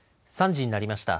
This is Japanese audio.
３時になりました。